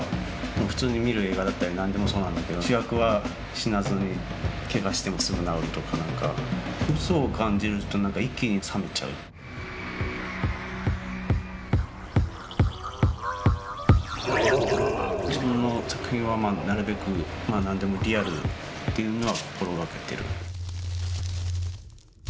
普通に見る映画だったり何でもそうなんだけど主役は死なずにけがしてもすぐ治るとか何か自分の作品はなるべく何でもリアルっていうのは心がけてる。